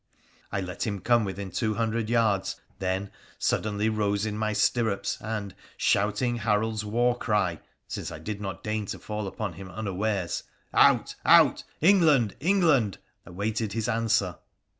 I let him come within two hundred yards, then suddenly rose in my stirrups and, shouting Harold's warcry, since I did not deign to fall upon him unawares, ' Out ! Out ! England ! England !' awaited his answer.